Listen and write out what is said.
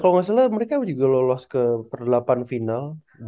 kalau nggak salah mereka juga lolos ke perdelapan final